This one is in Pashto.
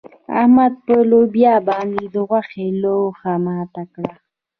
احمد پر لوبيا باندې د غوښې لوهه ماته کړه.